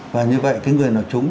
và như vậy cái người nào trúng